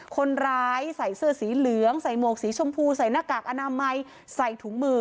คนร้ายใส่เสื้อสีเหลืองใส่หมวกสีชมพูใส่หน้ากากอนามัยใส่ถุงมือ